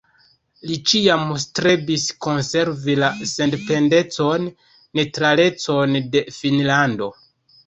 Li ĉiam strebis konservi la sendependecon, neŭtralecon de Finnlando.